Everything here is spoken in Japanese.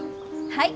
はい。